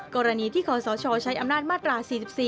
กรณีที่ขอสชใช้อำนาจมาตรา๔๔